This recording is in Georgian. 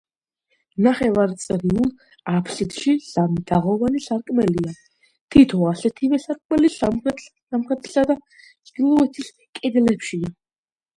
ნახევარწრიულ აფსიდში სამი თაღოვანი სარკმელია, თითო ასეთივე სარკმელი სამხრეთისა და ჩრდილოეთის კედლებშიცაა.